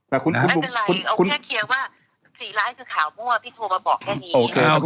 ไม่เป็นไรเอาแค่เคลียร์ว่า๔ล้านฟาดคือขาวมั่วพี่โทรมาบอกแค่นี้